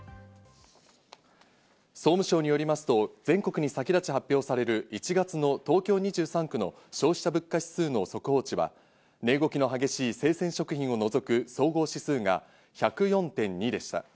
総務省によりますと、全国に先立ち発表される、１月の東京２３区の消費者物価指数の速報値は値動きの激しい生鮮食品を除く総合指数が１０４．２でした。